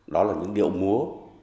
đó là những điệu múa